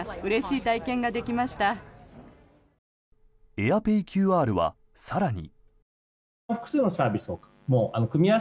ＡｉｒペイＱＲは更に。